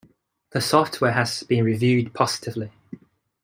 The software has been reviewed positively.